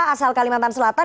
asal kalimantan selatan